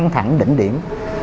thẳng đỉnh điểm